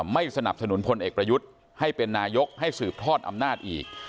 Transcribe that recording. ไม่สนับสนุนพลเอกประยุทธ์ให้เป็นนายกให้สืบทอดอำนาจอีก